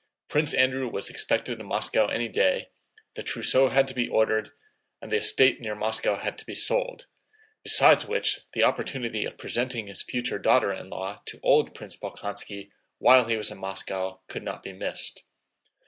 Prince Andrew was expected in Moscow any day, the trousseau had to be ordered and the estate near Moscow had to be sold, besides which the opportunity of presenting his future daughter in law to old Prince Bolkónski while he was in Moscow could not be missed.